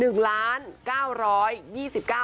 เท่าไหร่คะ